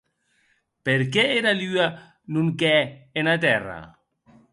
Per qué era lua non què ena Tèrra?